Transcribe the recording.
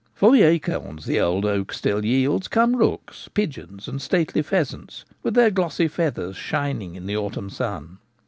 For the acorns the old oak still yields come rooks,, pigeons, and stately pheasants, with their glossy feathers shining in the autumn sun.